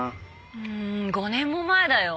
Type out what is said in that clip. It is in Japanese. うん５年も前だよ？